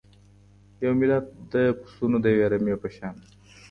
یو ملت د پسونو د یوې رمې په شان دی.